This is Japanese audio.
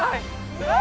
うわ！